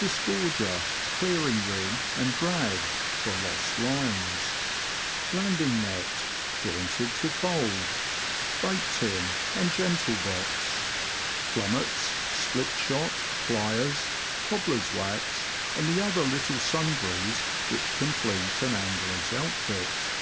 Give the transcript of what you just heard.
Disgorger, clearing ring, and drag (for lost lines). Landing net, jointed to fold. Bait tin and gentle box. Plummets, split shot, pliers, cobbler's wax, and the other little sundries which complete an angler's outfit.